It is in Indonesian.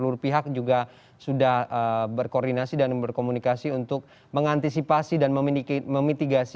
dan seluruh pihak juga sudah berkoordinasi dan berkomunikasi untuk mengantisipasi dan memitigasi